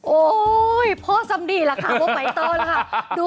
โอ้ยพอซัมนี่แหละค่ะว่าไปต่อแหละค่ะ